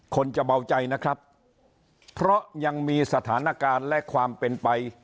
คนจะเบาใจนะครับเพราะยังมีสถานการณ์และความเป็นไป